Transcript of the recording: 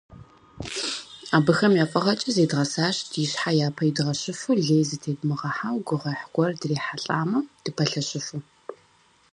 Абыхэм я фӀыгъэкӀэ зедгъэсащ ди щхьэ япэ идгъэщыфу, лей зытедмыгъэхьэу, гугъуехь гуэр дрихьэлӀамэ, дыпэлъэщыфу.